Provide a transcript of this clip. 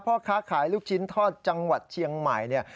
พ่อค้าขายลูกชิ้นทอดจังหวัดเชียงใหม่เนี่ย